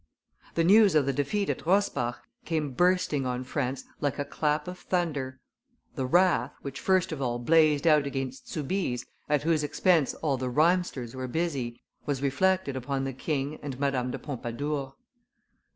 The news of the defeat at Rosbach came bursting on France like a clap of thunder; the wrath, which first of all blazed out against Soubise, at whose expense all the rhymesters were busy, was reflected upon the king and Madame de Pompadour.